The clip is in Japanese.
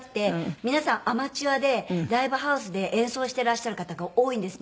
皆さんアマチュアでライブハウスで演奏してらっしゃる方が多いんですね。